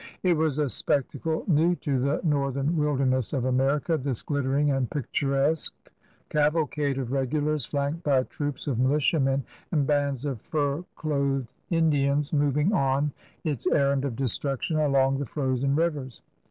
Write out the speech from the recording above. It was a spectacle new to the northern wilderness of America, this glittering and picturesque cavalcade of regulars flanked by troops of militiamen and bands of fur clothed Indians 7« CRUSADERS OF NEW FRANCE moving on its errand of destruction along the frozen rivers.